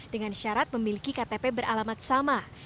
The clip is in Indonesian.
dengan syarat memiliki ktp beralamat sama